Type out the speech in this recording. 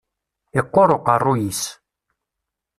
Iqquṛ uqeṛṛuy-is.